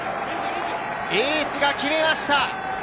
エースが決めました！